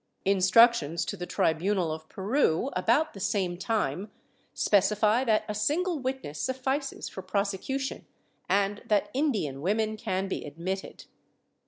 ^ Instructions to the trilnmal of Peru, about the same time, specify that a single witness suffices for prosecution and that Indian women can be admitted.